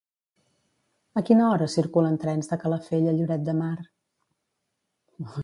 A quina hora circulen trens de Calafell a Lloret de Mar?